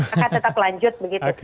akan tetap lanjut begitu